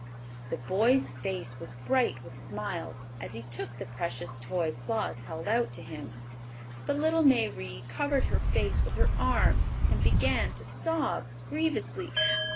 The boy's face was bright with smiles as he took the precious toy Claus held out to him; but little Mayrie covered her face with her arm and began to sob grievously.